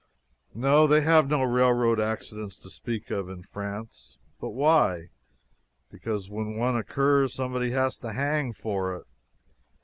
No, they have no railroad accidents to speak of in France. But why? Because when one occurs, somebody has to hang for it!